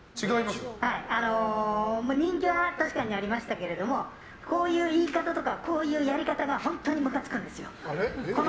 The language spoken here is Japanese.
人気は確かにありましたけれどもこういう言い方とかこういうやり方が本当にむかつくんですよ。